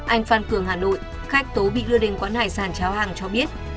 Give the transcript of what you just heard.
anh phan cường hà nội khách tố bị đưa đình quán hải sản cháo hàng cho biết